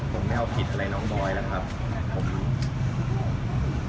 มันไม่เอาผิดอะไรล้องบ่อยนะครับผม